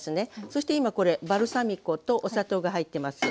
そして今これバルサミコとお砂糖が入ってます。